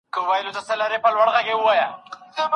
پوښتنه وکړئ چي څه وکړم.